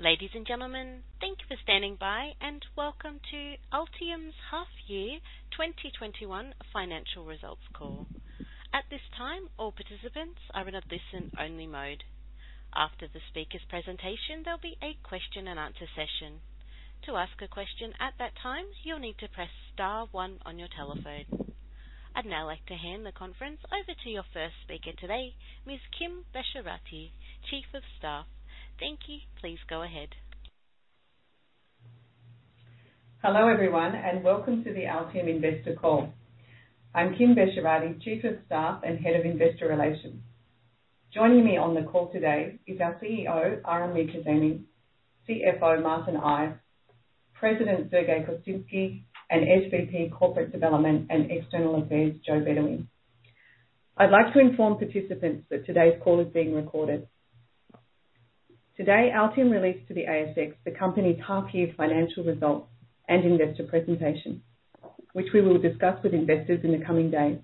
Ladies and gentlemen, thank you for standing by, and welcome to Altium's Half Year 2021 Financial Results Call. At this time, all participants are in a listen-only mode. After the speaker's presentation, there'll be a question and answer session. To ask a question at that time, you'll need to press star one on your telephone. I'd now like to hand the conference over to your first speaker today, Ms. Kim Besharati, chief of staff. Thank you. Please go ahead. Hello, everyone, and welcome to the Altium Investor Call. I'm Kim Besharati, Chief of Staff and Head of Investor Relations. Joining me on the call today is our CEO, Aram Mirkazemi, CFO, Martin Ive, President, Sergey Kostinsky, and SVP Corporate Development and External Affairs, Joe Bedewi. I'd like to inform participants that today's call is being recorded. Today, Altium released to the ASX the company's half year financial results and investor presentation, which we will discuss with investors in the coming days.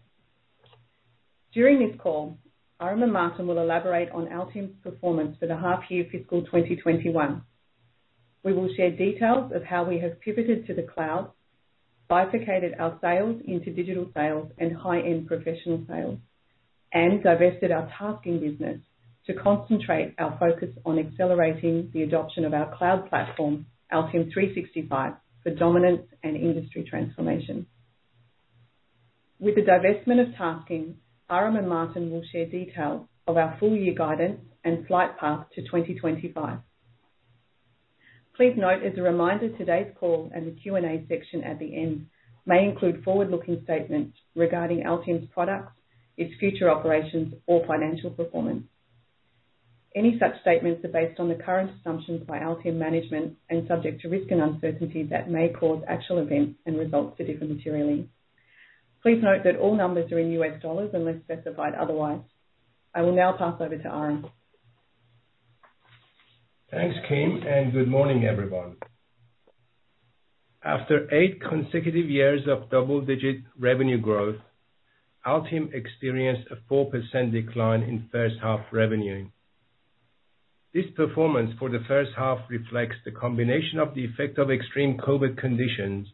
During this call, Aram and Martin will elaborate on Altium's performance for the half year fiscal 2021. We will share details of how we have pivoted to the cloud, bifurcated our sales into digital sales and high-end professional sales, and divested our TASKING business to concentrate our focus on accelerating the adoption of our cloud platform, Altium 365, for dominance and industry transformation. With the divestment of TASKING, Aram and Martin will share details of our full year guidance and flight path to 2025. Please note, as a reminder, today's call and the Q&A section at the end may include forward-looking statements regarding Altium's products, its future operations or financial performance. Any such statements are based on the current assumptions by Altium management and subject to risk and uncertainty that may cause actual events and results to differ materially. Please note that all numbers are in US dollars unless specified otherwise. I will now pass over to Aram. Thanks, Kim, and good morning, everyone. After eight consecutive years of double-digit revenue growth, Altium experienced a 4% decline in first half revenue. This performance for the first half reflects the combination of the effect of extreme COVID conditions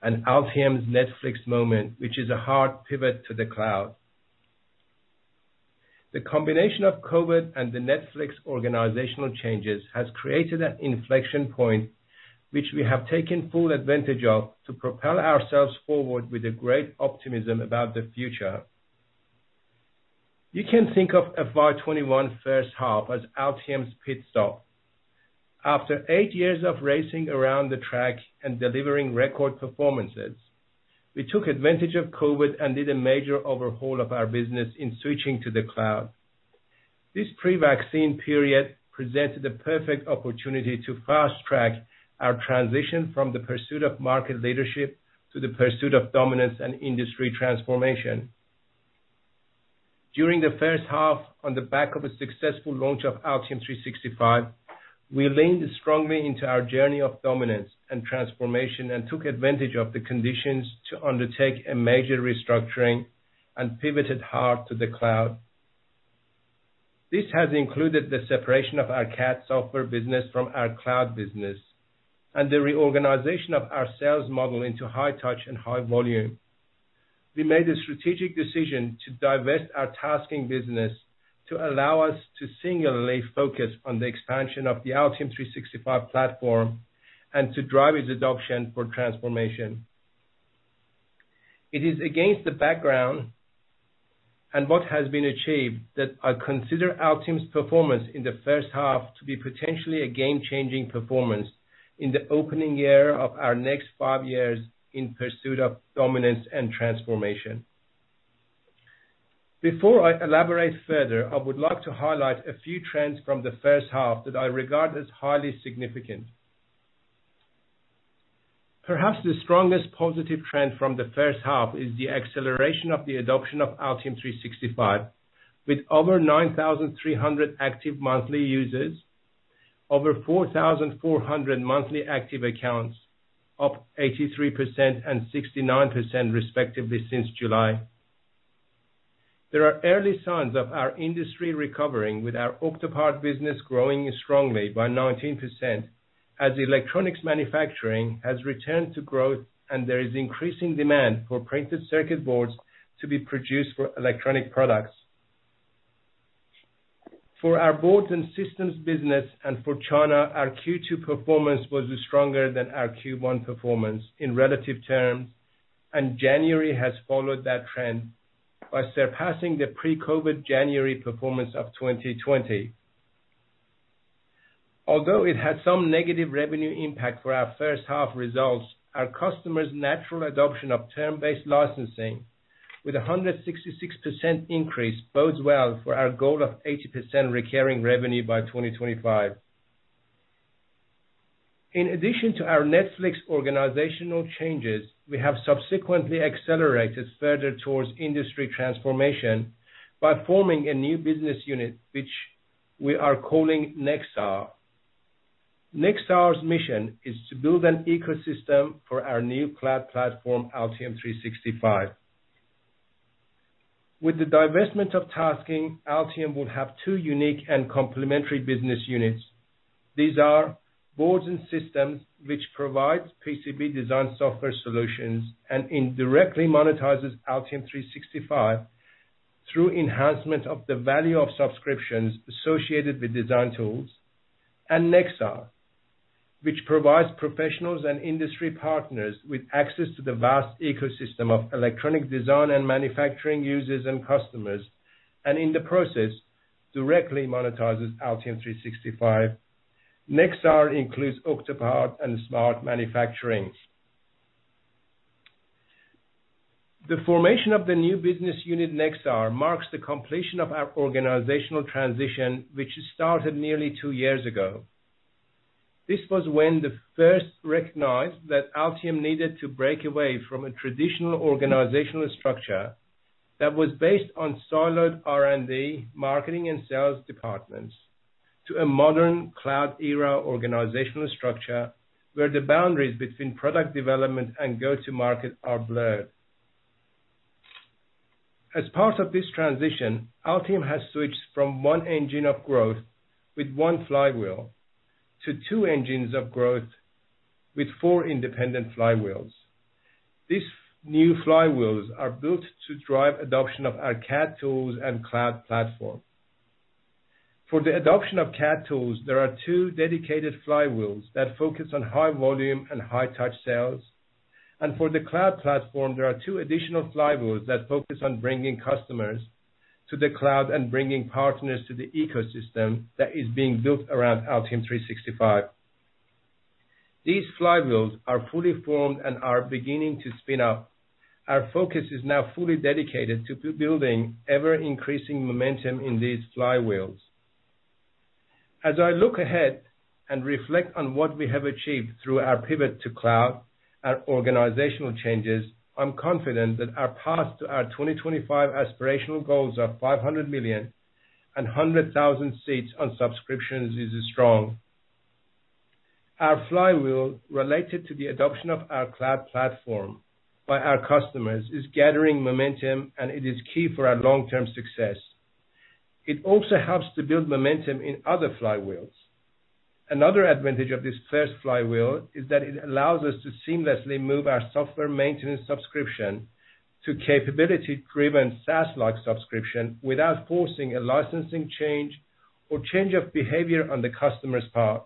and Altium's Netflix moment, which is a hard pivot to the cloud. The combination of COVID and the Netflix organizational changes has created an inflection point which we have taken full advantage of to propel ourselves forward with a great optimism about the future. You can think of FY 2021 first half as Altium's pit stop. After eight years of racing around the track and delivering record performances, we took advantage of COVID and did a major overhaul of our business in switching to the cloud. This pre-vaccine period presented the perfect opportunity to fast-track our transition from the pursuit of market leadership to the pursuit of dominance and industry transformation. During the first half, on the back of a successful launch of Altium 365, we leaned strongly into our journey of dominance and transformation and took advantage of the conditions to undertake a major restructuring and pivoted hard to the cloud. This has included the separation of our CAD software business from our cloud business and the reorganization of our sales model into high touch and high volume. We made a strategic decision to divest our TASKING business to allow us to singularly focus on the expansion of the Altium 365 platform and to drive its adoption for transformation. It is against the background and what has been achieved that I consider Altium's performance in the first half to be potentially a game-changing performance in the opening year of our next five years in pursuit of dominance and transformation. Before I elaborate further, I would like to highlight a few trends from the first half that I regard as highly significant. Perhaps the strongest positive trend from the first half is the acceleration of the adoption of Altium 365, with over 9,300 active monthly users, over 4,400 monthly active accounts, up 83% and 69% respectively since July. There are early signs of our industry recovering with our Octopart business growing strongly by 19%, as electronics manufacturing has returned to growth and there is increasing demand for printed circuit boards to be produced for electronic products. For our boards and systems business and for China, our Q2 performance was stronger than our Q1 performance in relative terms, and January has followed that trend by surpassing the pre-COVID January performance of 2020. Although it had some negative revenue impact for our first half results, our customers' natural adoption of term-based licensing with 166% increase bodes well for our goal of 80% recurring revenue by 2025. In addition to our Netflix organizational changes, we have subsequently accelerated further towards industry transformation by forming a new business unit, which we are calling Nexar. Nexar's mission is to build an ecosystem for our new cloud platform, Altium 365. With the divestment of TASKING, Altium will have two unique and complementary business units. These are Boards and Systems, which provides PCB design software solutions and indirectly monetizes Altium 365 through enhancement of the value of subscriptions associated with design tools, and Nexar, which provides professionals and industry partners with access to the vast ecosystem of electronic design and manufacturing users and customers, and in the process, directly monetizes Altium 365. Nexar includes Octopart and SMART Manufacturing. The formation of the new business unit, Nexar, marks the completion of our organizational transition, which started nearly two years ago. This was when we first recognized that Altium needed to break away from a traditional organizational structure that was based on siloed R&D, marketing, and sales departments, to a modern cloud-era organizational structure, where the boundaries between product development and go-to market are blurred. As part of this transition, Altium has switched from one engine of growth with one flywheel to two engines of growth with four independent flywheels. These new flywheels are built to drive adoption of our CAD tools and cloud platform. For the adoption of CAD tools, there are two dedicated flywheels that focus on high volume and high touch sales. For the cloud platform, there are two additional flywheels that focus on bringing customers to the cloud and bringing partners to the ecosystem that is being built around Altium 365. These flywheels are fully formed and are beginning to spin up. Our focus is now fully dedicated to building ever-increasing momentum in these flywheels. As I look ahead and reflect on what we have achieved through our pivot to cloud, our organizational changes, I'm confident that our path to our 2025 aspirational goals of $500 million and 100,000 seats on subscriptions is strong. Our flywheel related to the adoption of our cloud platform by our customers is gathering momentum, and it is key for our long-term success. It also helps to build momentum in other flywheels. Another advantage of this first flywheel is that it allows us to seamlessly move our software maintenance subscription to capability-driven SaaS-like subscription without forcing a license change or change of behavior on the customer's part.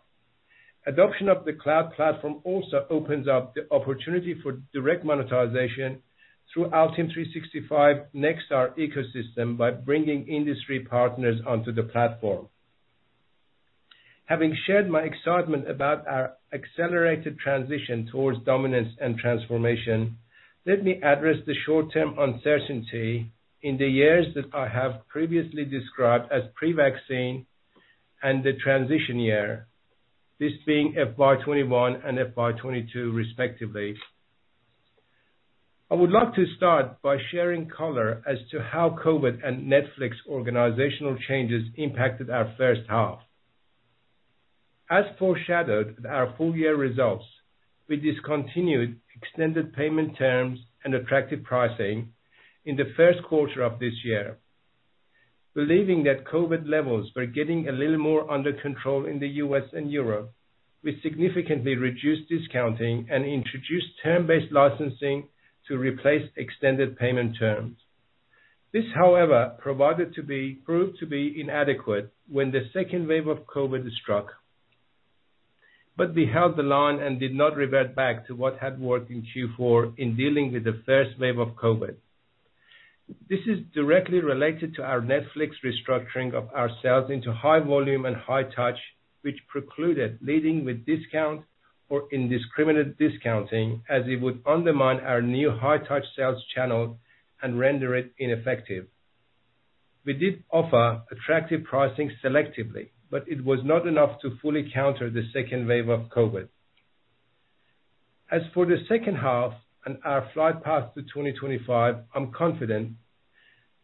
Adoption of the cloud platform also opens up the opportunity for direct monetization through Altium 365 Nexar ecosystem by bringing industry partners onto the platform. Having shared my excitement about our accelerated transition towards dominance and transformation, let me address the short-term uncertainty in the years that I have previously described as pre-vaccine and the transition year, this being FY 2021 and FY 2022, respectively. I would like to start by sharing color as to how COVID and Netflix organizational changes impacted our first half. As foreshadowed with our full-year results, we discontinued extended payment terms and attractive pricing in the first quarter of this year. Believing that COVID levels were getting a little more under control in the U.S. and Europe, we significantly reduced discounting and introduced term-based licensing to replace extended payment terms. This, however, proved to be inadequate when the second wave of COVID struck. We held the line and did not revert back to what had worked in Q4 in dealing with the first wave of COVID. This is directly related to our Netflix restructuring of our sales into high volume and high touch, which precluded leading with discount or indiscriminate discounting, as it would undermine our new high touch sales channel and render it ineffective. We did offer attractive pricing selectively, but it was not enough to fully counter the second wave of COVID. As for the second half and our flight path to 2025, I'm confident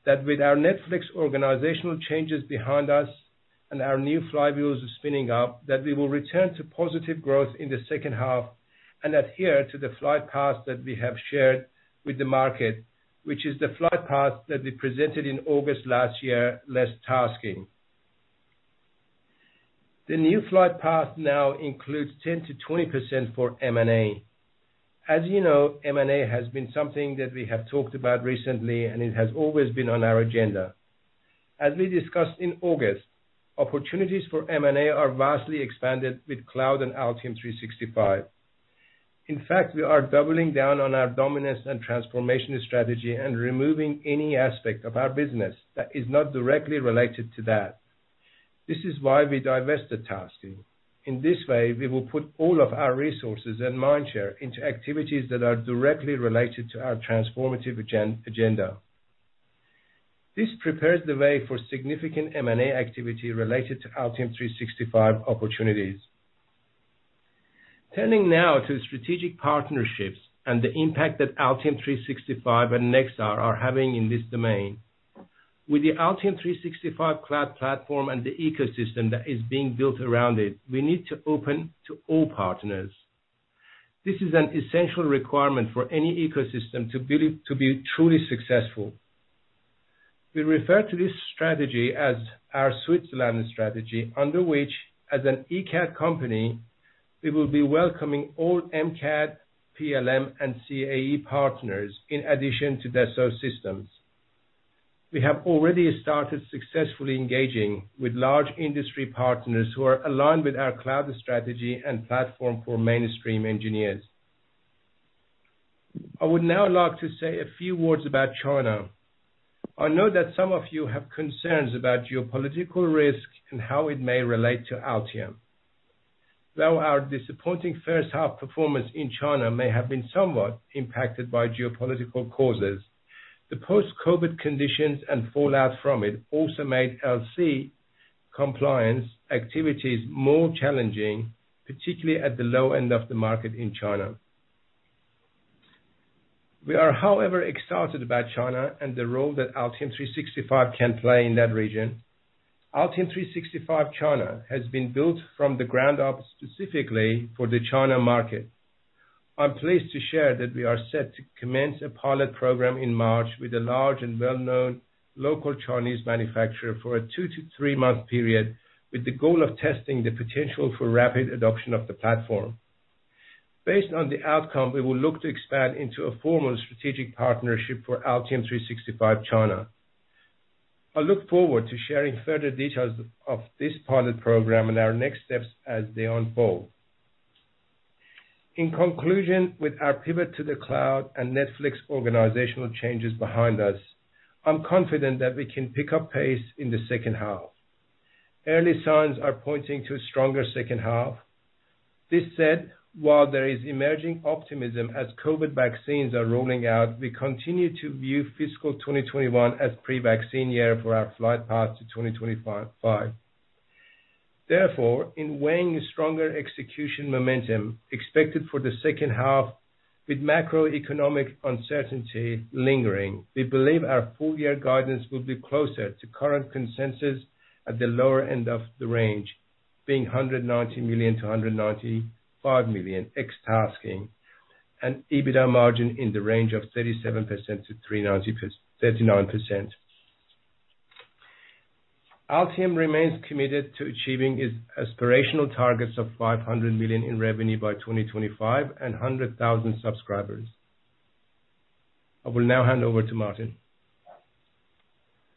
that with our Netflix organizational changes behind us and our new flywheels spinning up, that we will return to positive growth in the second half and adhere to the flight path that we have shared with the market, which is the flight path that we presented in August last year, less TASKING. The new flight path now includes 10%-20% for M&A. As you know, M&A has been something that we have talked about recently, and it has always been on our agenda. As we discussed in August, opportunities for M&A are vastly expanded with cloud and Altium 365. In fact, we are doubling down on our dominance and transformation strategy and removing any aspect of our business that is not directly related to that. This is why we divested TASKING. In this way, we will put all of our resources and mind share into activities that are directly related to our transformative agenda. This prepares the way for significant M&A activity related to Altium 365 opportunities. Turning now to strategic partnerships and the impact that Altium 365 and Nexar are having in this domain. With the Altium 365 cloud platform and the ecosystem that is being built around it, we need to open to all partners. This is an essential requirement for any ecosystem to be truly successful. We refer to this strategy as our Switzerland strategy, under which, as an ECAD company, we will be welcoming all MCAD, PLM, and CAE partners in addition to Dassault Systèmes. We have already started successfully engaging with large industry partners who are aligned with our cloud strategy and platform for mainstream engineers. I would now like to say a few words about China. I know that some of you have concerns about geopolitical risk and how it may relate to Altium. Though our disappointing first half performance in China may have been somewhat impacted by geopolitical causes, the post-COVID conditions and fallout from it also made LC compliance activities more challenging, particularly at the low end of the market in China. We are, however, excited about China and the role that Altium 365 can play in that region. Altium 365 China has been built from the ground up specifically for the China market. I'm pleased to share that we are set to commence a pilot program in March with a large and well-known local Chinese manufacturer for a two to three-month period, with the goal of testing the potential for rapid adoption of the platform. Based on the outcome, we will look to expand into a formal strategic partnership for Altium 365 China. I look forward to sharing further details of this pilot program and our next steps as they unfold. In conclusion, with our pivot to the cloud and Netflix organizational changes behind us, I'm confident that we can pick up pace in the second half. Early signs are pointing to a stronger second half. This said, while there is emerging optimism as COVID vaccines are rolling out, we continue to view FY 2021 as pre-vaccine year for our flight path to 2025. Therefore, in weighing stronger execution momentum expected for the second half with macroeconomic uncertainty lingering, we believe our full year guidance will be closer to current consensus at the lower end of the range, being $190 million-$195 million ex TASKING, and EBITDA margin in the range of 37%-39%. Altium remains committed to achieving its aspirational targets of $500 million in revenue by 2025 and 100,000 subscribers. I will now hand over to Martin.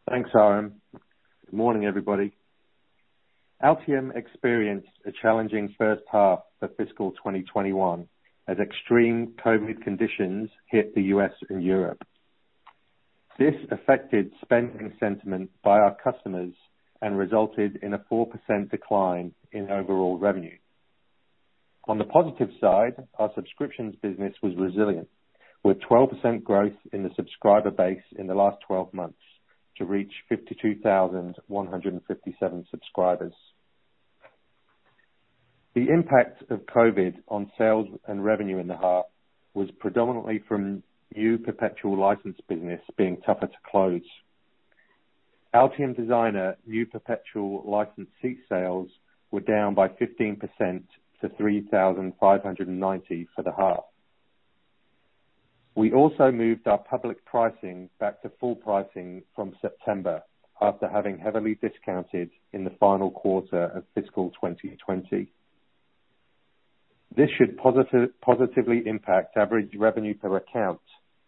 Thanks, Aram. Good morning, everybody. Altium experienced a challenging first half for fiscal 2021 as extreme COVID conditions hit the U.S. and Europe. This affected spending sentiment by our customers and resulted in a 4% decline in overall revenue. On the positive side, our subscriptions business was resilient, with 12% growth in the subscriber base in the last 12 months to reach 52,157 subscribers. The impact of COVID on sales and revenue in the half was predominantly from new perpetual license business being tougher to close. Altium Designer new perpetual license seat sales were down by 15% to 3,590 for the half. We also moved our public pricing back to full pricing from September after having heavily discounted in the final quarter of fiscal 2020. This should positively impact average revenue per account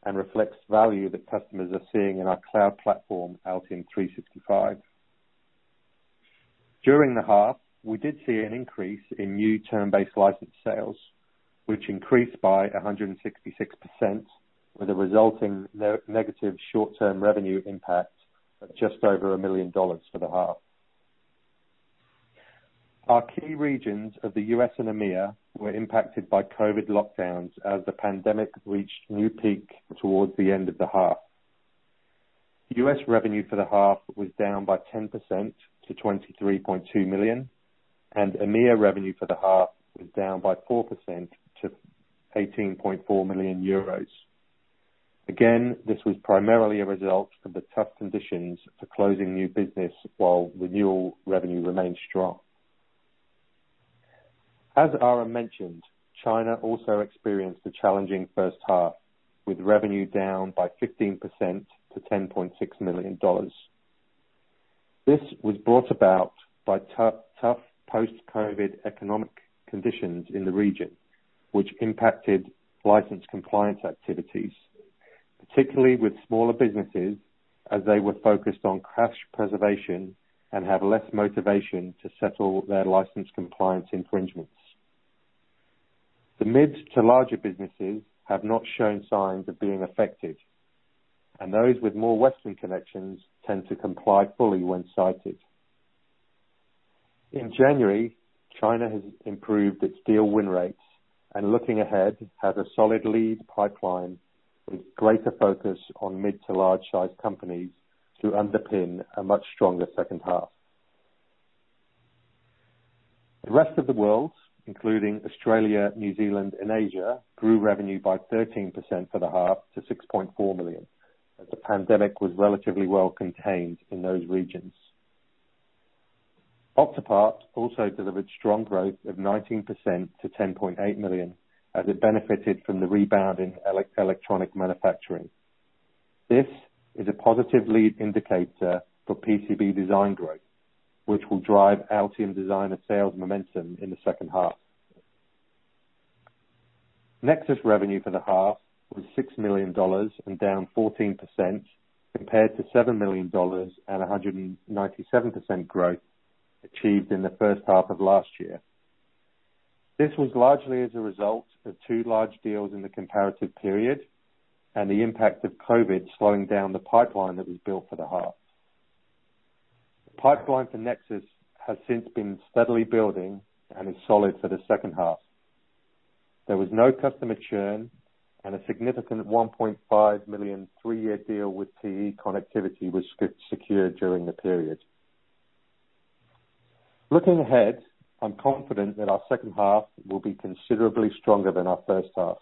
and reflects value that customers are seeing in our cloud platform, Altium 365. During the half, we did see an increase in new term-based license sales, which increased by 166% with a resulting negative short-term revenue impact of just over $1 million for the half. Our key regions of the U.S. and EMEA were impacted by COVID lockdowns as the pandemic reached new peak towards the end of the half. U.S. revenue for the half was down by 10% to $23.2 million, and EMEA revenue for the half was down by 4% to 18.4 million euros. This was primarily a result of the tough conditions for closing new business while renewal revenue remained strong. As Aram mentioned, China also experienced a challenging first half, with revenue down by 15% to $10.6 million. This was brought about by tough post-COVID economic conditions in the region, which impacted license compliance activities, particularly with smaller businesses as they were focused on cash preservation and have less motivation to settle their license compliance infringements. The mid to larger businesses have not shown signs of being affected, and those with more Western connections tend to comply fully when cited. In January, China has improved its deal win rates. Looking ahead, has a solid lead pipeline with greater focus on mid to large-sized companies to underpin a much stronger second half. The rest of the world, including Australia, New Zealand, and Asia, grew revenue by 13% for the half to $6.4 million as the pandemic was relatively well contained in those regions. Octopart also delivered strong growth of 19% to $10.8 million, as it benefited from the rebound in electronic manufacturing. This is a positive lead indicator for PCB design growth, which will drive Altium Designer sales momentum in the second half. Nexus revenue for the half was $6 million and down 14%, compared to $7 million at 197% growth achieved in the first half of last year. This was largely as a result of two large deals in the comparative period, and the impact of COVID slowing down the pipeline that was built for the half. The pipeline for Nexus has since been steadily building and is solid for the second half. There was no customer churn, and a significant $1.5 million three-year deal with TE Connectivity was secured during the period. Looking ahead, I'm confident that our second half will be considerably stronger than our first half.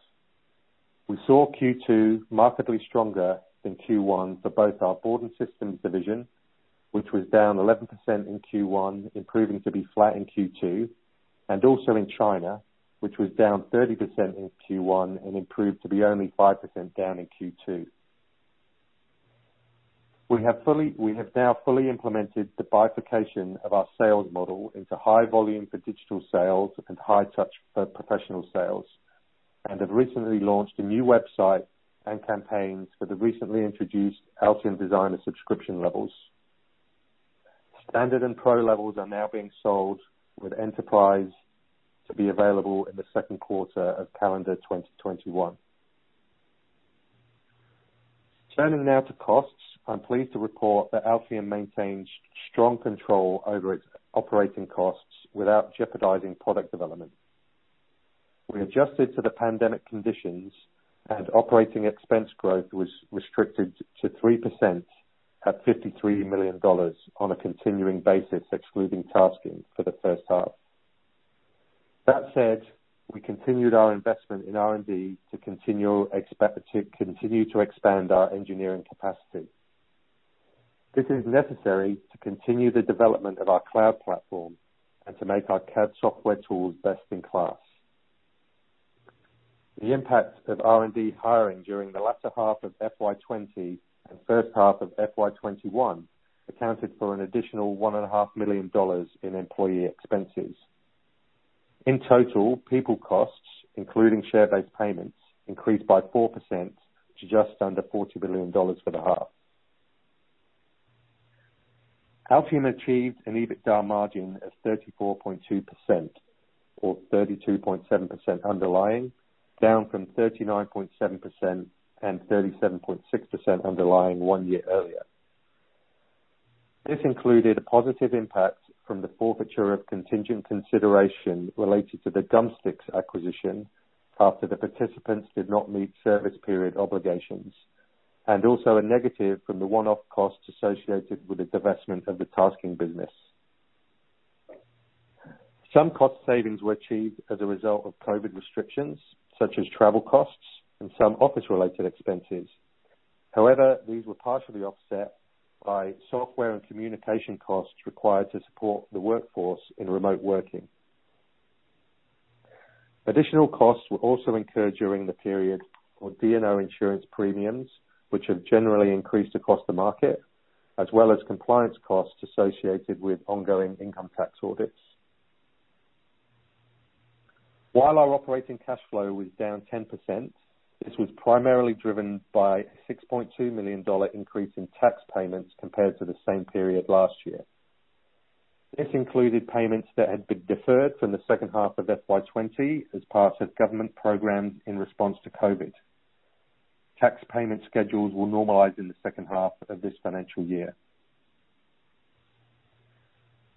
We saw Q2 markedly stronger than Q1 for both our board and systems division, which was down 11% in Q1, improving to be flat in Q2, and also in China, which was down 30% in Q1 and improved to be only 5% down in Q2. We have now fully implemented the bifurcation of our sales model into high volume for digital sales and high touch for professional sales, and have recently launched a new website and campaigns for the recently introduced Altium Designer subscription levels. Standard and Pro levels are now being sold, with Enterprise to be available in the second quarter of calendar 2021. Turning now to costs, I'm pleased to report that Altium maintains strong control over its operating costs without jeopardizing product development. We adjusted to the pandemic conditions. Operating expense growth was restricted to 3% at $53 million on a continuing basis, excluding Tasking, for the first half. That said, we continued our investment in R&D to continue to expand our engineering capacity. This is necessary to continue the development of our cloud platform and to make our CAD software tools best in class. The impact of R&D hiring during the latter half of FY 2020 and first half of FY 2021 accounted for an additional $1.5 million in employee expenses. In total, people costs, including share-based payments, increased by 4% to just under $40 million for the half. Altium achieved an EBITDA margin of 34.2%, or 32.7% underlying, down from 39.7% and 37.6% underlying one year earlier. This included a positive impact from the forfeiture of contingent consideration related to the Gumstix acquisition, after the participants did not meet service period obligations, also a negative from the one-off costs associated with the divestment of the TASKING business. Some cost savings were achieved as a result of COVID restrictions, such as travel costs and some office-related expenses. These were partially offset by software and communication costs required to support the workforce in remote working. Additional costs were also incurred during the period for D&O insurance premiums, which have generally increased across the market, as well as compliance costs associated with ongoing income tax audits. While our operating cash flow was down 10%, this was primarily driven by a $6.2 million increase in tax payments compared to the same period last year. This included payments that had been deferred from the second half of FY 2020 as part of government programs in response to COVID. Tax payment schedules will normalize in the second half of this financial year.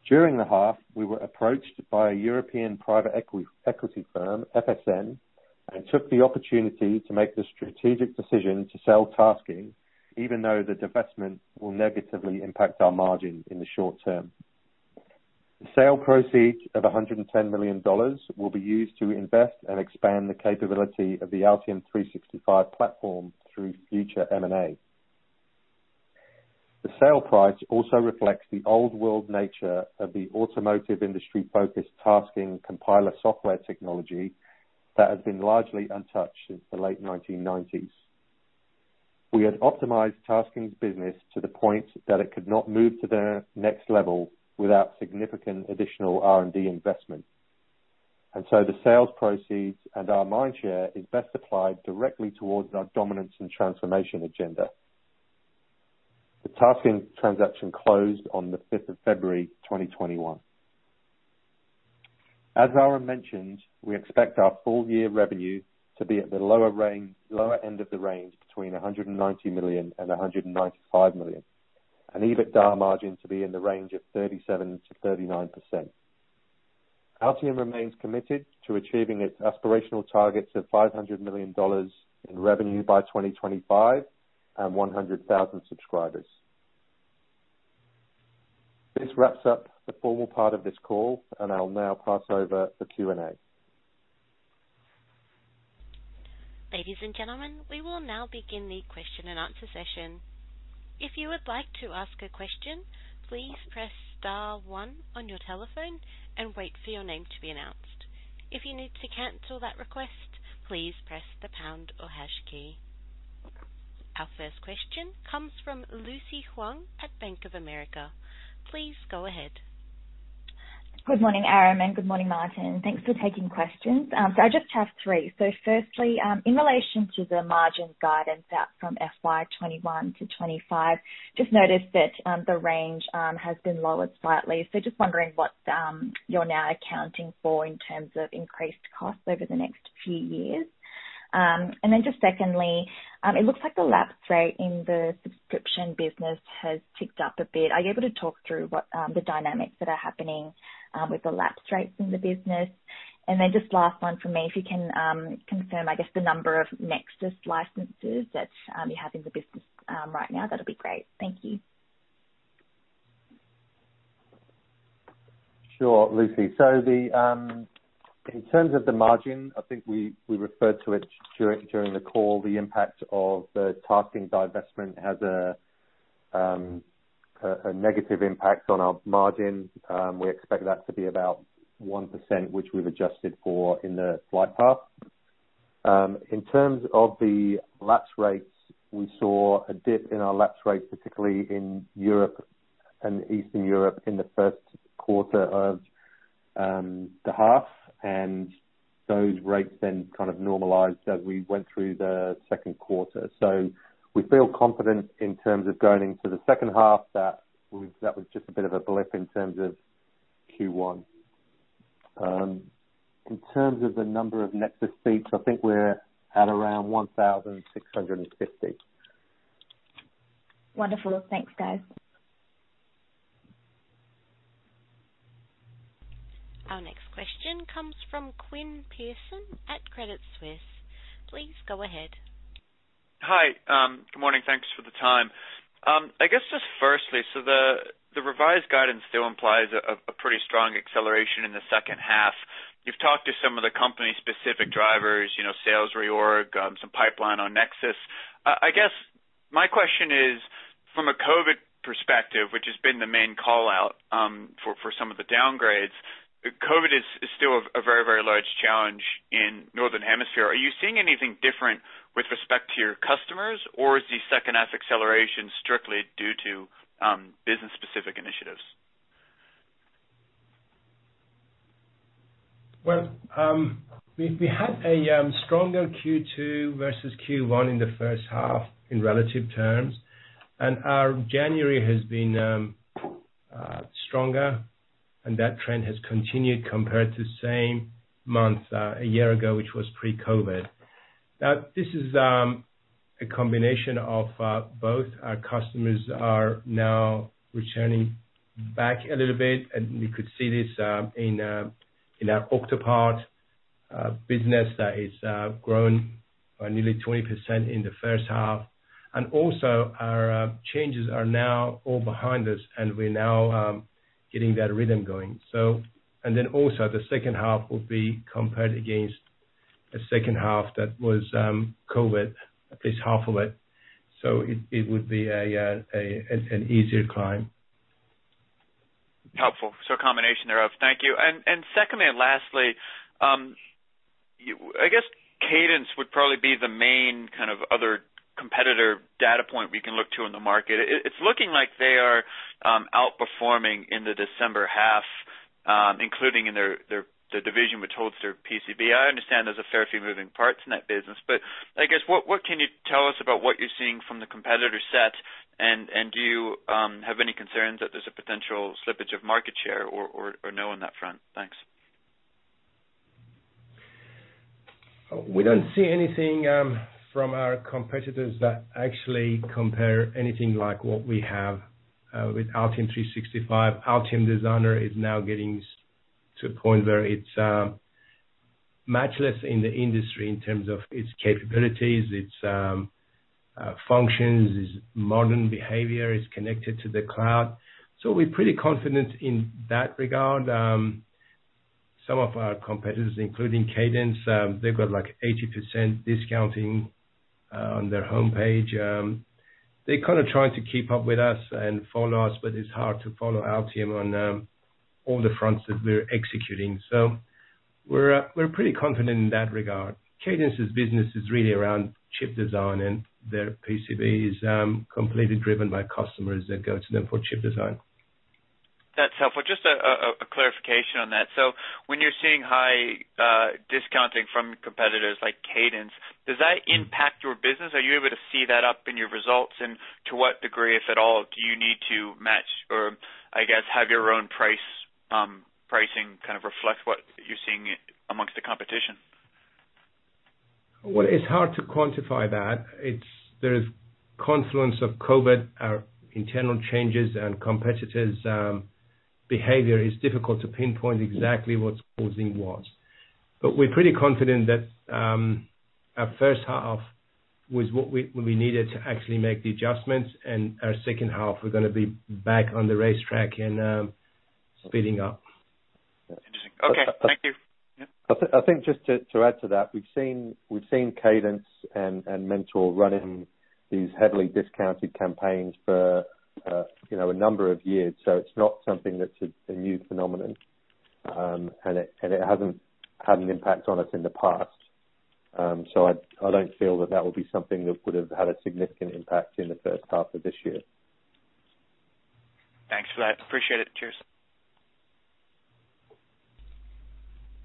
During the half, we were approached by a European private equity firm, FSN, and took the opportunity to make the strategic decision to sell TASKING, even though the divestment will negatively impact our margin in the short term. The sale proceeds of $110 million will be used to invest and expand the capability of the Altium 365 platform through future M&A. The sale price also reflects the old world nature of the automotive industry-focused TASKING compiler software technology that has been largely untouched since the late 1990s. We had optimized TASKING's business to the point that it could not move to the next level without significant additional R&D investment. The sales proceeds and our mindshare is best applied directly towards our dominance and transformation agenda. The TASKING transaction closed on the 5th of February 2021. As Aram mentioned, we expect our full year revenue to be at the lower end of the range, between $190 million and $195 million, and EBITDA margin to be in the range of 37%-39%. Altium remains committed to achieving its aspirational targets of $500 million in revenue by 2025 and 100,000 subscribers. This wraps up the formal part of this call, and I'll now pass over for Q&A. Ladies and gentlemen, we will now begin the question and answer session. If you would like to ask a question, please press star one on your telephone and wait for your name to be announced. If you need to cancel that request, please press the pound or hash key. Our first question comes from Lucy Huang at Bank of America. Please go ahead. Good morning, Aram, and good morning, Martin. Thanks for taking questions. I just have three. Firstly, in relation to the margin guidance out from FY 2021 to FY 2025, just noticed that the range has been lowered slightly. Just wondering what you're now accounting for in terms of increased costs over the next few years. Just secondly, it looks like the lapse rate in the subscription business has ticked up a bit. Are you able to talk through what the dynamics that are happening with the lapse rates in the business? Just last one from me, if you can confirm, I guess, the number of NEXUS licenses that you have in the business right now, that'd be great. Thank you. Sure, Lucy. In terms of the margin, I think we referred to it during the call, the impact of the TASKING divestment has a negative impact on our margin. We expect that to be about 1%, which we've adjusted for in the flight path. In terms of the lapse rates, we saw a dip in our lapse rates, particularly in Europe and Eastern Europe in the first quarter of the half. Those rates kind of normalized as we went through the second quarter. We feel confident in terms of going into the second half that that was just a bit of a blip in terms of Q1. In terms of the number of NEXUS seats, I think we're at around 1,650. Wonderful. Thanks, guys. Our next question comes from Quinn Pierson at Credit Suisse. Please go ahead. Hi. Good morning. Thanks for the time. I guess, just firstly, the revised guidance still implies a pretty strong acceleration in the second half. You've talked to some of the company-specific drivers, sales reorg, some pipeline on NEXUS. I guess my question is, from a COVID perspective, which has been the main call-out for some of the downgrades, COVID is still a very large challenge in Northern Hemisphere. Are you seeing anything different with respect to your customers, or is the second half acceleration strictly due to business-specific initiatives? We had a stronger Q2 versus Q1 in the first half in relative terms, our January has been stronger, that trend has continued compared to the same month a year ago, which was pre-COVID. This is a combination of both our customers are now returning back a little bit, we could see this in our Octopart business that is growing by nearly 20% in the first half. Our changes are now all behind us, we're now getting that rhythm going. The second half will be compared against a second half that was COVID, at least half of it. It would be an easier climb. Helpful. A combination thereof. Thank you. Secondly, lastly, I guess Cadence would probably be the main kind of other competitor data point we can look to in the market. It's looking like they are outperforming in the December half, including in their division, which holds their PCB. I understand there's a fair few moving parts in that business, I guess, what can you tell us about what you're seeing from the competitor set, and do you have any concerns that there's a potential slippage of market share or no on that front? Thanks. We don't see anything from our competitors that actually compare anything like what we have with Altium 365. Altium Designer is now getting to a point where it's matchless in the industry in terms of its capabilities, its functions, its modern behavior. It's connected to the cloud. We're pretty confident in that regard. Some of our competitors, including Cadence, they've got like 80% discounting on their homepage. They kind of try to keep up with us and follow us, but it's hard to follow Altium on all the fronts that we're executing. We're pretty confident in that regard. Cadence's business is really around chip design, and their PCB is completely driven by customers that go to them for chip design. That's helpful. Just a clarification on that. When you're seeing high discounting from competitors like Cadence, does that impact your business? Are you able to see that up in your results? To what degree, if at all, do you need to match or, I guess, have your own pricing kind of reflect what you're seeing amongst the competition? Well, it's hard to quantify that. There is confluence of COVID, our internal changes, and competitors' behavior is difficult to pinpoint exactly what's causing what. We're pretty confident that our first half was what we needed to actually make the adjustments, and our second half, we're going to be back on the racetrack and speeding up. Interesting. Okay. Thank you. I think just to add to that, we've seen Cadence and Mentor running these heavily discounted campaigns for a number of years, so it's not something that's a new phenomenon. It hasn't had an impact on us in the past. I don't feel that that would be something that would have had a significant impact in the first half of this year. Thanks for that. Appreciate it. Cheers.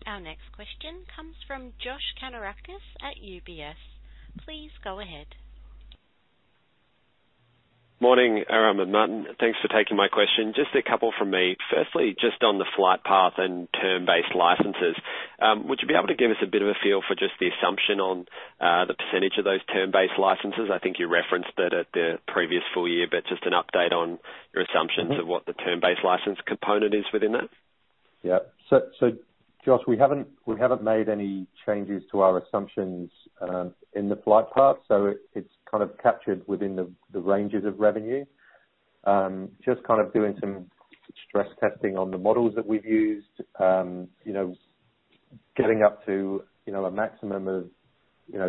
Our next question comes from Josh Kannourakis at UBS. Please go ahead. Morning, Aram and Martin. Thanks for taking my question. Just a couple from me. Firstly, just on the flight path and term-based licenses. Would you be able to give us a bit of a feel for just the assumption on the percentage of those term-based licenses? I think you referenced it at the previous full year, but just an update on your assumptions of what the term-based license component is within that. Josh, we haven't made any changes to our assumptions, in the flight path, so it's kind of captured within the ranges of revenue. Just kind of doing some stress testing on the models that we've used. Getting up to a maximum of 50%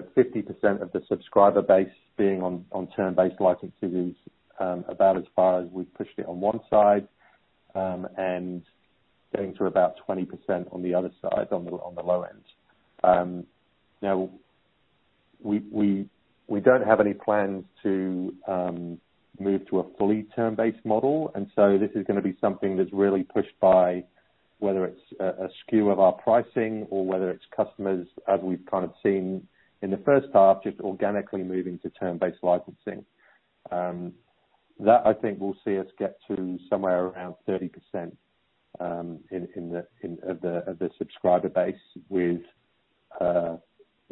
of the subscriber base being on term-based licenses, about as far as we've pushed it on one side, and getting to about 20% on the other side, on the low end. We don't have any plans to move to a fully term-based model, this is going to be something that's really pushed by whether it's a skew of our pricing or whether it's customers, as we've kind of seen in the first half, just organically moving to term-based licensing. I think, will see us get to somewhere around 30% of the subscriber base with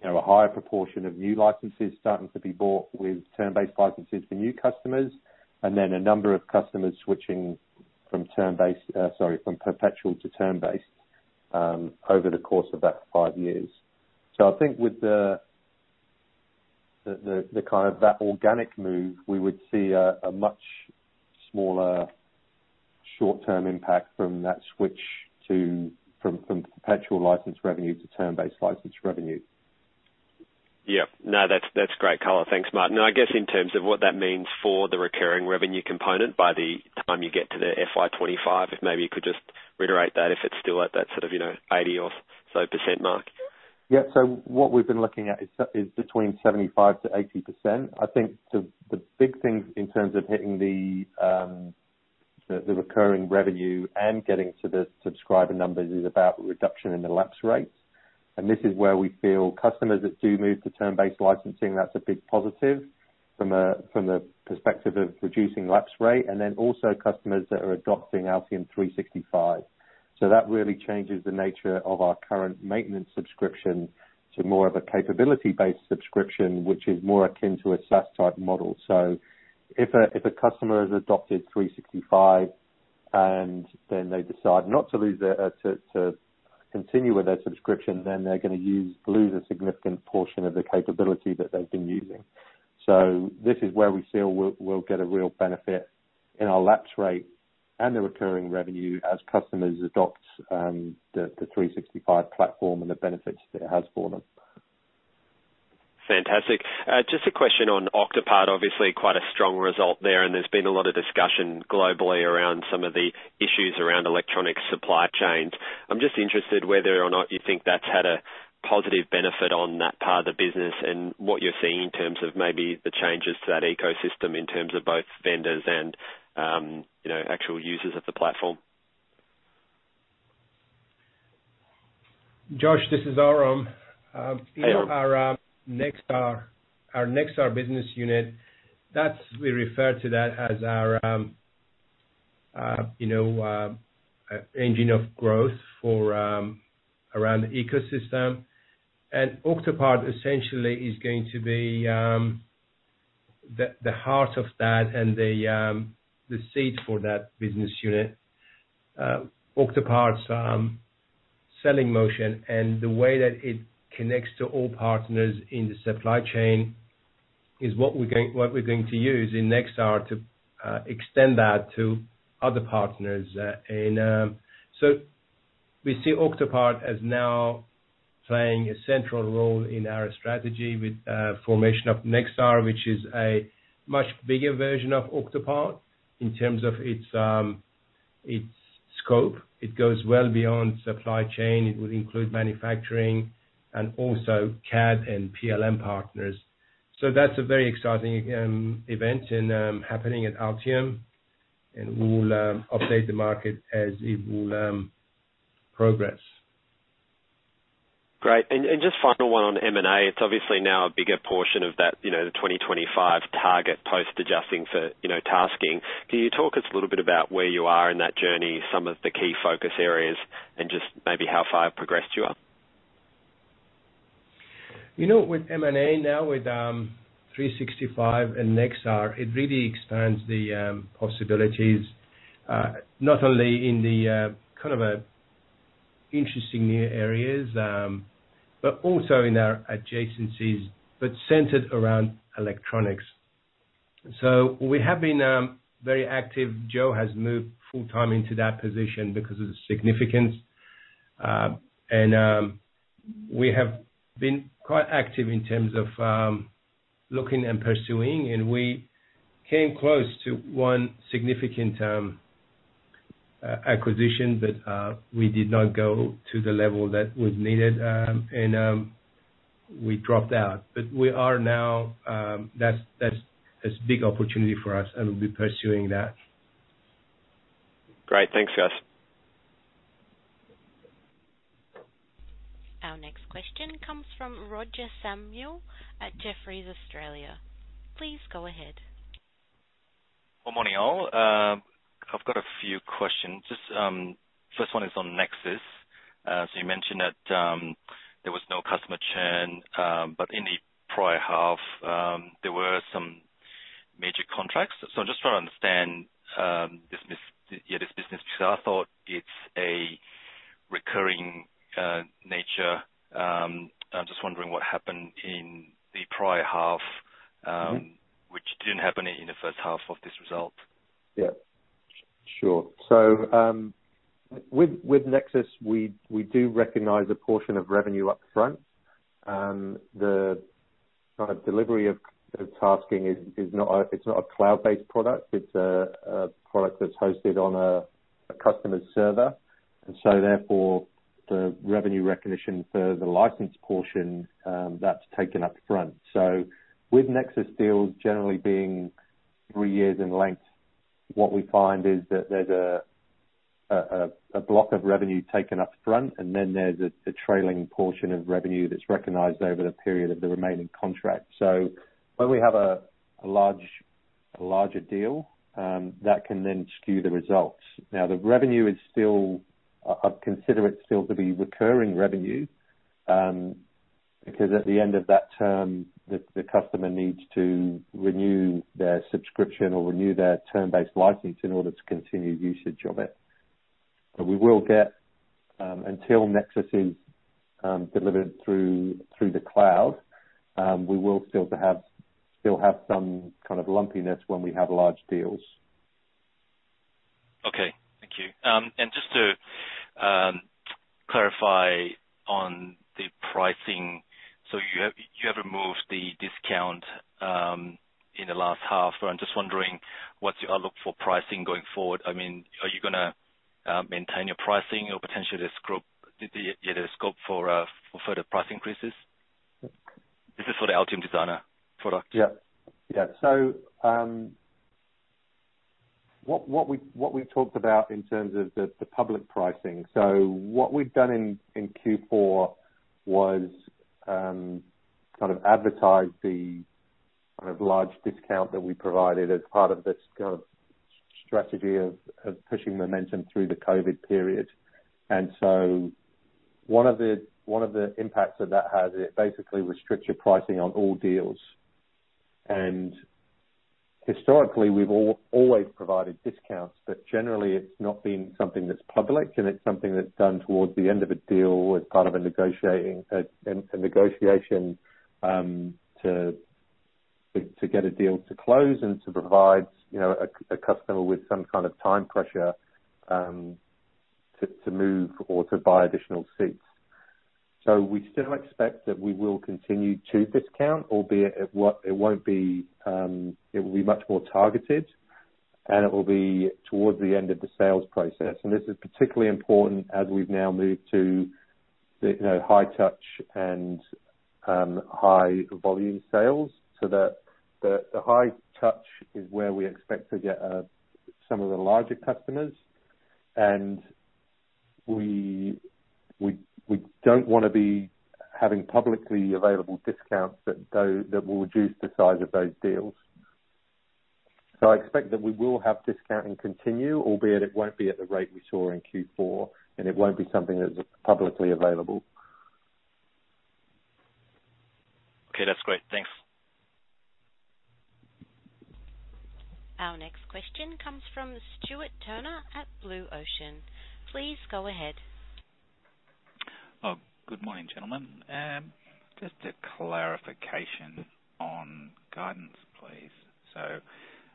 a higher proportion of new licenses starting to be bought with term-based licenses for new customers, and then a number of customers switching from perpetual to term-based, over the course of that five years. I think with the kind of that organic move, we would see a much smaller short-term impact from that switch from perpetual license revenue to term-based license revenue. Yeah. No, that's great color. Thanks, Martin. I guess in terms of what that means for the recurring revenue component by the time you get to the FY 2025, if maybe you could just reiterate that if it's still at that sort of 80% or so mark. What we've been looking at is between 75%-80%. I think the big thing in terms of hitting the recurring revenue and getting to the subscriber numbers is about reduction in the lapse rates. This is where we feel customers that do move to term-based licensing, that's a big positive from the perspective of reducing lapse rate, and then also customers that are adopting Altium 365. That really changes the nature of our current maintenance subscription to more of a capability-based subscription, which is more akin to a SaaS type model. If a customer has adopted 365 and then they decide not to continue with their subscription, then they're going to lose a significant portion of the capability that they've been using. This is where we feel we'll get a real benefit in our lapse rate and the recurring revenue as customers adopt the 365 platform and the benefits that it has for them. Fantastic. Just a question on Octopart. Obviously, quite a strong result there, and there's been a lot of discussion globally around some of the issues around electronic supply chains. I'm just interested whether or not you think that's had a positive benefit on that part of the business and what you're seeing in terms of maybe the changes to that ecosystem in terms of both vendors and actual users of the platform. Josh, this is Aram. Hey, Aram. In our Nexar business unit, we refer to that as our engine of growth for around the ecosystem. Octopart essentially is going to be the heart of that and the seed for that business unit. Octopart's selling motion and the way that it connects to all partners in the supply chain is what we're going to use in Nexar to extend that to other partners. We see Octopart as now playing a central role in our strategy with formation of Nexar, which is a much bigger version of Octopart in terms of its scope. It goes well beyond supply chain. It would include manufacturing and also CAD and PLM partners. That's a very exciting event happening at Altium. We will update the market as it will progress. Great. Just final one on M&A. It's obviously now a bigger portion of that 2025 target post adjusting for TASKING. Can you talk us a little bit about where you are in that journey, some of the key focus areas, and just maybe how far progressed you are? With M&A now with 365 and Nexar, it really expands the possibilities, not only in the kind of interesting new areas, but also in our adjacencies, but centered around electronics. We have been very active. Joe has moved full-time into that position because of the significance. We have been quite active in terms of looking and pursuing, and we came close to one significant acquisition, but we did not go to the level that was needed, and we dropped out. That's a big opportunity for us, and we'll be pursuing that. Great. Thanks, Guys. Our next question comes from Roger Samuel at Jefferies Australia. Please go ahead. Good morning, all. I've got a few questions. First one is on Altium NEXUS. You mentioned that there was no customer churn, but in the prior half, there were some major contracts. I'm just trying to understand this business, because I thought it's a recurring nature. I'm just wondering what happened in the prior half? Which didn't happen in the first half of this result. Yeah. Sure. With Altium NEXUS, we do recognize a portion of revenue up front. The kind of delivery of TASKING is not a cloud-based product. It's a product that's hosted on a customer's server. Therefore, the revenue recognition for the license portion, that's taken up front. With Altium NEXUS deals generally being three years in length, what we find is that there's a block of revenue taken up front, and then there's a trailing portion of revenue that's recognized over the period of the remaining contract. When we have a larger deal, that can then skew the results. Now, the revenue, I'd consider it still to be recurring revenue, because at the end of that term, the customer needs to renew their subscription or renew their term-based license in order to continue usage of it. Until NEXUS is delivered through the cloud, we will still have some kind of lumpiness when we have large deals. Okay. Thank you. Just to clarify on the pricing. You have removed the discount in the last half. I'm just wondering what's your outlook for pricing going forward. Are you going to maintain your pricing or potentially the scope for further price increases? This is for the Altium Designer product. Yeah. What we talked about in terms of the public pricing. What we've done in Q4 was advertise the large discount that we provided as part of this strategy of pushing momentum through the COVID period. One of the impacts that that has, it basically restricts your pricing on all deals. Historically, we've always provided discounts, but generally, it's not been something that's public, and it's something that's done towards the end of a deal as part of a negotiation to get a deal to close and to provide a customer with some kind of time pressure to move or to buy additional seats. We still expect that we will continue to discount, albeit it will be much more targeted, and it will be towards the end of the sales process. This is particularly important as we've now moved to high touch and high volume sales. The high touch is where we expect to get some of the larger customers. We don't want to be having publicly available discounts that will reduce the size of those deals. I expect that we will have discounting continue, albeit it won't be at the rate we saw in Q4, and it won't be something that's publicly available. Okay. That's great. Thanks. Our next question comes from Stuart Turner at Blue Ocean. Please go ahead. Good morning, gentlemen. Just a clarification on guidance, please.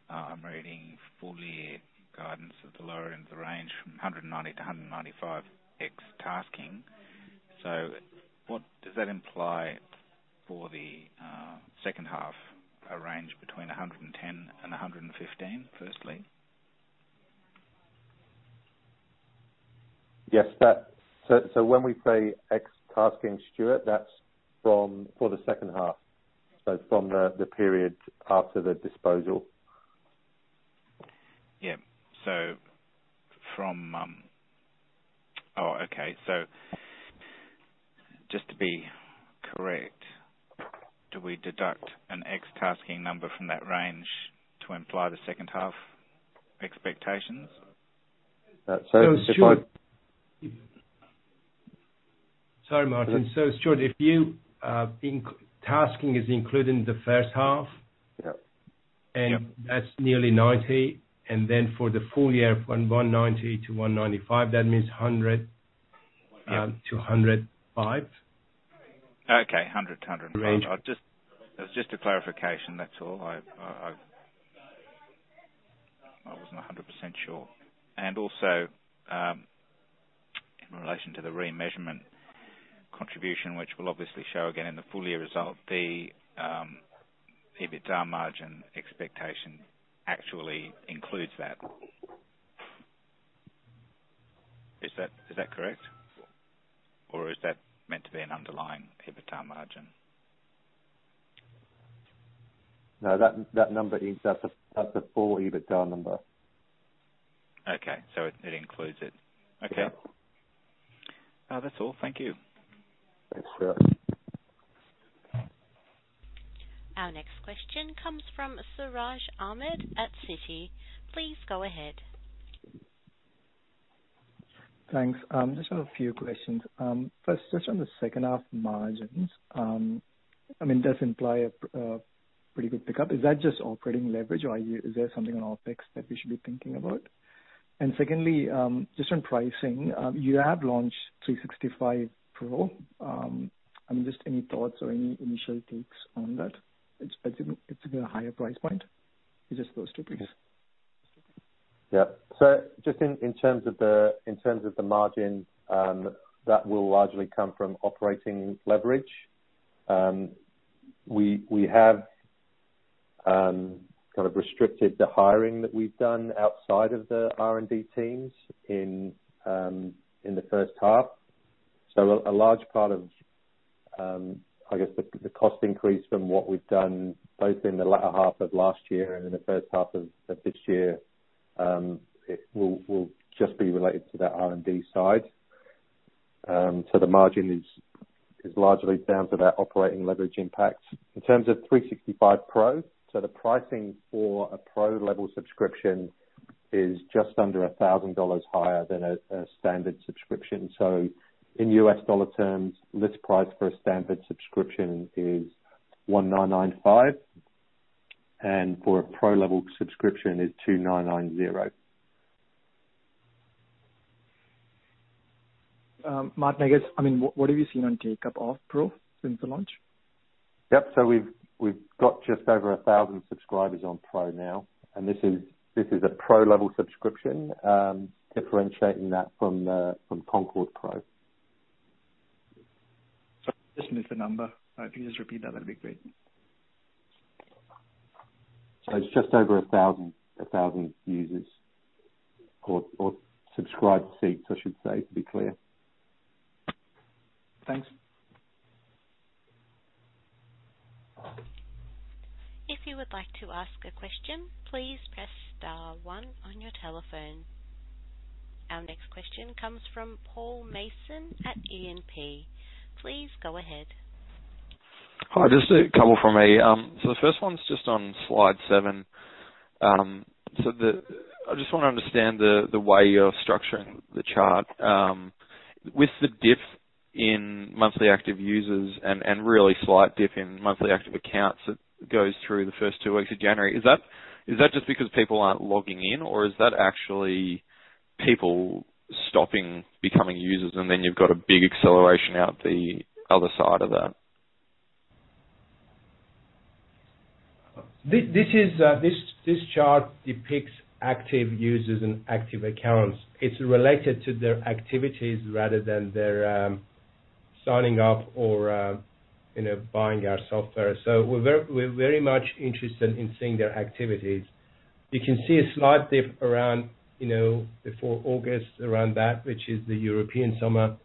I'm reading full year guidance at the lower end of the range from $190-$195 ex TASKING. What does that imply for the second half? A range between $110 and $115, firstly? Yes. When we say ex TASKING, Stuart, that's for the second half, from the period after the disposal. Yeah. Oh, okay. Just to be correct, do we deduct an ex TASKING number from that range to imply the second half expectations? So if I- Sorry, Martin. Stuart, TASKING is included in the first half. Yeah. That's nearly $90. Then for the full year, from $190-$195, that means $100- Yeah To 105? Okay. 100. It was just a clarification, that's all. I wasn't 100% sure. Also, in relation to the remeasurement contribution, which we'll obviously show again in the full year result, the EBITDA margin expectation actually includes that. Is that correct? Or is that meant to be an underlying EBITDA margin? No, that's a full EBITDA number. Okay. It includes it. Yeah. Okay. That's all. Thank you. Thanks, Stuart. Our next question comes from Siraj Ahmed at Citi. Please go ahead. Thanks. I just have a few questions. First, just on the second half margins. Does imply a pretty good pickup. Is that just operating leverage or is there something on OpEx that we should be thinking about? Secondly, just on pricing, you have launched 365 Pro. Just any thoughts or any initial takes on that? It's in a higher price point. Is it supposed to be? Just in terms of the margin, that will largely come from operating leverage. We have restricted the hiring that we've done outside of the R&D teams in the first half. A large part of the cost increase from what we've done, both in the latter half of last year and in the first half of this year, will just be related to that R&D side. The margin is largely down to that operating leverage impact. In terms of 365 Pro, the pricing for a Pro level subscription is just under $1,000 higher than a standard subscription. In U.S. dollar terms, list price for a standard subscription is $1,995, and for a Pro level subscription is $2,990. Martin, what have you seen on take-up of Pro since the launch? Yep. We've got just over 1,000 subscribers on Pro now, and this is a Pro level subscription, differentiating that from the Concord Pro. Sorry, I just missed the number. If you could just repeat that'd be great. It's just over 1,000 users or subscribed seats, I should say, to be clear. Thanks. Our next question comes from Paul Mason at E&P. Please go ahead. Hi, just a couple from me. The first one's just on slide seven. I just want to understand the way you're structuring the chart. With the dip in monthly active users and really slight dip in monthly active accounts that goes through the first two weeks of January, is that just because people aren't logging in or is that actually people stopping becoming users and then you've got a big acceleration out the other side of that? This chart depicts active users and active accounts. It's related to their activities rather than their signing up or buying our software. We're very much interested in seeing their activities. You can see a slight dip around before August, around that, which is the European summer,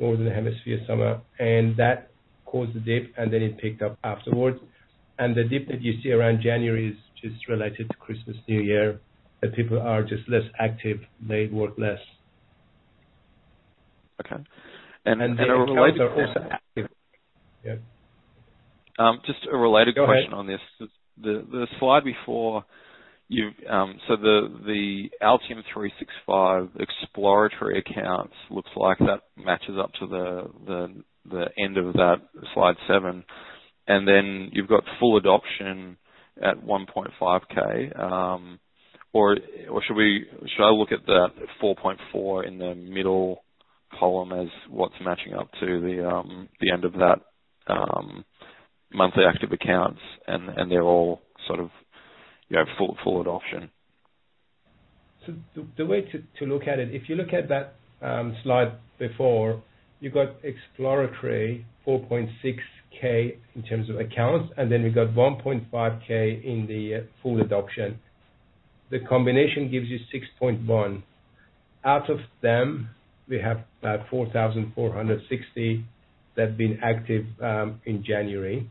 Northern Hemisphere summer, and that caused the dip, and then it picked up afterwards. The dip that you see around January is just related to Christmas, New Year, that people are just less active. They work less. Okay. The accounts are also active. Yeah. Just a related question. Go ahead. On this. The slide before, the Altium 365 exploratory accounts looks like that matches up to the end of that slide seven. Then you've got full adoption at 1,500. Should I look at that 4.4 in the middle column as what's matching up to the end of that monthly active accounts and they're all sort of full adoption? The way to look at it, if you look at that slide before, you've got exploratory 4,600 in terms of accounts, and then we got 1,500 in the full adoption. The combination gives you 6.1. Out of them, we have about 4,460 that have been active in January,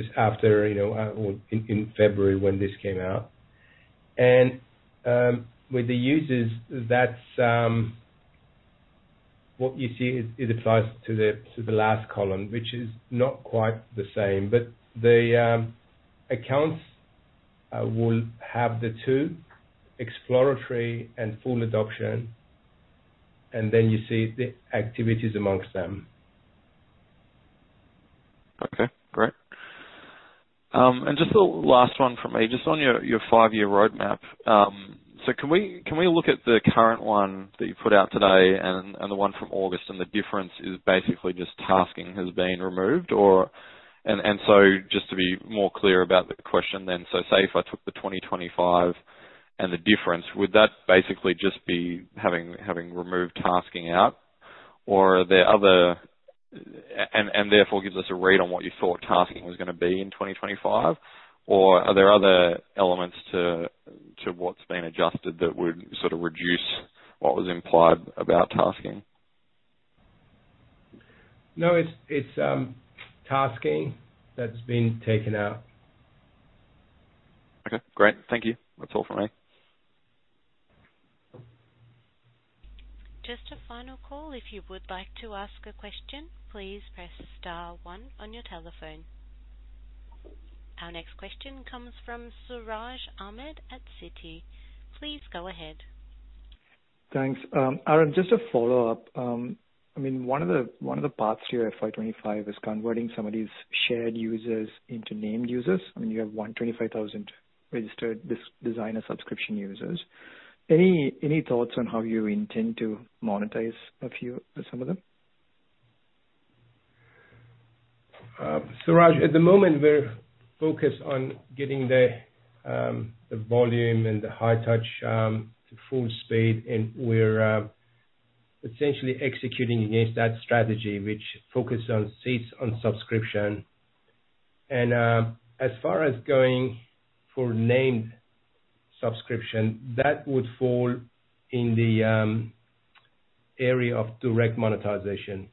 just after or in February when this came out. With the users, what you see is it applies to the last column, which is not quite the same. The accounts will have the two, exploratory and full adoption, and then you see the activities amongst them. Okay. Great. Just a last one from me, just on your five-year roadmap. Can we look at the current one that you put out today and the one from August, and the difference is basically just TASKING has been removed? Just to be more clear about the question then, say if I took the 2025 and the difference, would that basically just be having removed TASKING out and therefore gives us a read on what you thought TASKING was going to be in 2025? Are there other elements to what's been adjusted that would sort of reduce what was implied about TASKING? No, it's TASKING that's been taken out. Okay, great. Thank you. That's all from me. Just a final call. If you would like to ask a question, please press star one on your telephone. Our next question comes from Siraj Ahmed at Citi. Please go ahead. Thanks. Aram, just a follow-up. One of the paths to your FY 2025 is converting some of these shared users into named users. You have 125,000 registered designer subscription users. Any thoughts on how you intend to monetize some of them? Siraj, at the moment, we're focused on getting the volume and the high touch to full speed, and we're essentially executing against that strategy, which focuses on seats on subscription. As far as going for named subscription, that would fall in the area of direct monetization,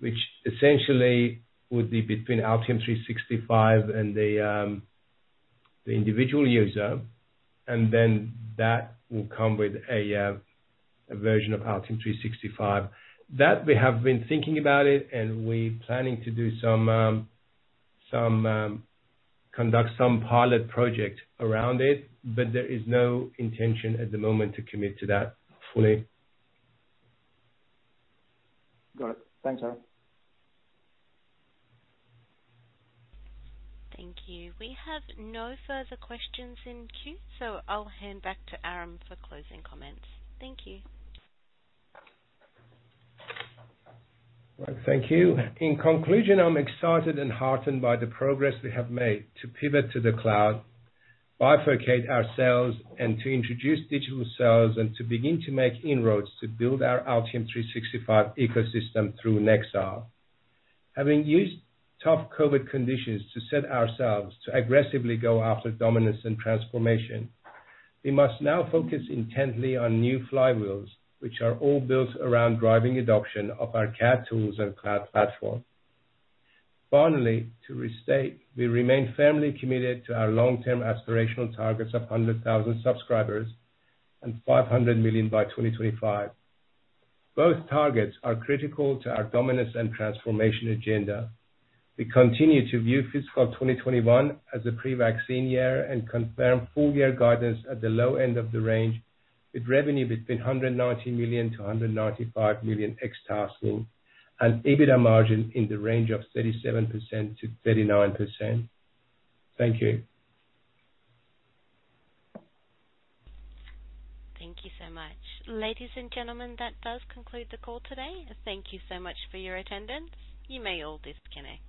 which essentially would be between Altium 365 and the individual user, and then that will come with a version of Altium 365. We have been thinking about it, and we're planning to conduct some pilot project around it, but there is no intention at the moment to commit to that fully. Got it. Thanks, Aram. Thank you. We have no further questions in queue, so I'll hand back to Aram for closing comments. Thank you. Well, thank you. In conclusion, I'm excited and heartened by the progress we have made to pivot to the cloud, bifurcate ourselves, and to introduce digital cells and to begin to make inroads to build our Altium 365 ecosystem through Nexar. Having used tough COVID conditions to set ourselves to aggressively go after dominance and transformation, we must now focus intently on new flywheels, which are all built around driving adoption of our CAD tools and cloud platform. Finally, to restate, we remain firmly committed to our long-term aspirational targets of 100,000 subscribers and $500 million by 2025. Both targets are critical to our dominance and transformation agenda. We continue to view FY 2021 as a pre-vaccine year and confirm full-year guidance at the low end of the range, with revenue between $190 million-$195 million ex TASKING and EBITDA margin in the range of 37%-39%. Thank you. Thank you so much. Ladies and gentlemen, that does conclude the call today. Thank you so much for your attendance. You may all disconnect.